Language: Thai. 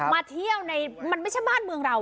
มาเที่ยวในมันไม่ใช่บ้านเมืองเรา